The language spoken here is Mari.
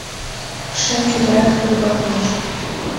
Шем чодыра сургалтмеш